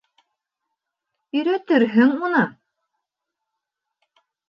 Өйрәтерһең уны.